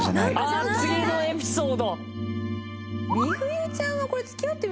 ああー次のエピソード！